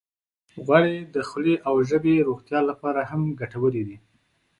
غوړې د خولې او ژبې روغتیا لپاره هم ګټورې دي.